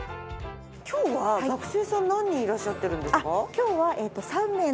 今日は学生さん何人いらっしゃってるんですか？